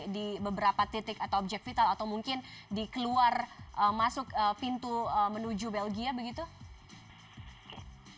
di beberapa titik atau objek vital atau mungkin di keluar masuk pintu menuju belgia begitu